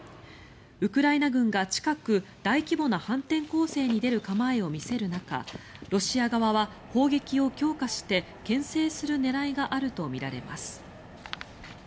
ウクライナ軍が近く大規模な反転攻勢に出る構えを見せる中ロシア側は砲撃を強化してけん制する狙いがあるとみられます。